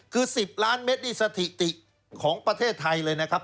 คือ๑๐ล้านเมตรนี่สถิติของประเทศไทยเลยนะครับ